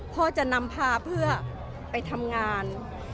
พ่อจะนำพาไปทำงาน